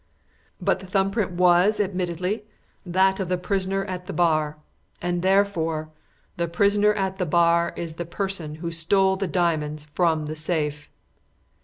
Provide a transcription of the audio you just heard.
But the thumb print was, admittedly, that of the prisoner at the bar, and therefore the prisoner at the bar is the person who stole the diamonds from the safe.